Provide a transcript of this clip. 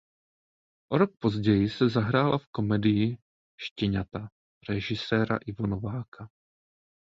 O rok později si zahrála v komedii "Štěňata" režiséra Ivo Nováka.